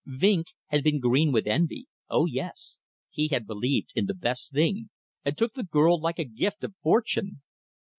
Vinck had been green with envy. Oh, yes! He had believed in the best thing, and took the girl like a gift of fortune.